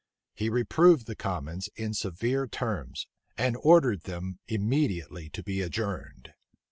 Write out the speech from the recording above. He reproved the commons in severe terms, and ordered them immediately to be adjourned.